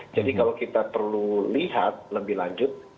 jadi kalau kita perlu lihat lebih lanjut